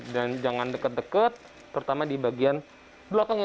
dan jangan dekat dekat terutama di bagian belakang ya